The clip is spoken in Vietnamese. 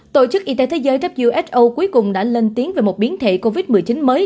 tổ chức y tế thế giới who cuối cùng đã lên tiếng về một biến thể covid một mươi chín mới